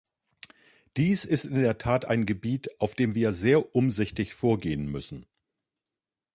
Dies ist in der Tat ein Gebiet, auf dem wir sehr umsichtig vorgehen müssen.